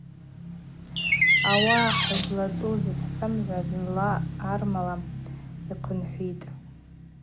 Ауаъа хӏызлацуз хӏымгӏва зынла армала йхъынхӏвытӏ.